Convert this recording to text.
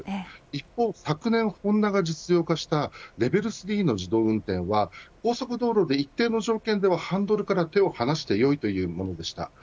一方、昨年ホンダが実用化したレベル３の自動運転は高速道路で一定の条件ではハンドルから手を離してもいいというものでした。